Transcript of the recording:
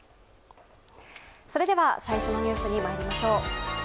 最初のニュースにまいりましょう。